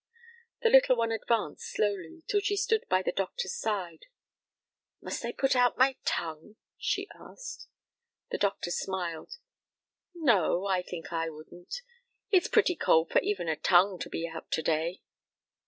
The little one advanced slowly, till she stood by the doctor's side. "Must I put out my tongue?" she asked. The doctor smiled. "No, I think I wouldn't. It's pretty cold for even a tongue to be out to day."